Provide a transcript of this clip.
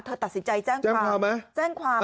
เธอตัดสินใจแจ้งความ